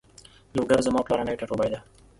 لوګر زما پلرنی ټاټوبی ده